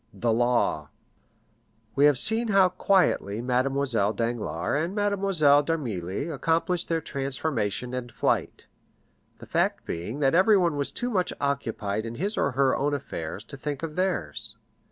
The Law We have seen how quietly Mademoiselle Danglars and Mademoiselle d'Armilly accomplished their transformation and flight; the fact being that everyone was too much occupied in his or her own affairs to think of theirs.